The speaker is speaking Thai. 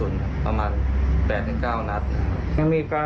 จะขัดแย้งกับร้านไหนหรือเปล่า